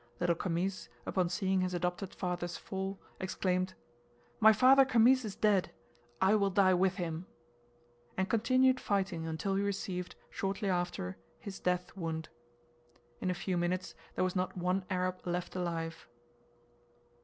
Little Khamis, upon seeing his adopted father's fall, exclaimed: "My father Khamis is dead, I will die with him," and continued fighting until he received, shortly after, his death wound. In a few minutes there was not one Arab left alive.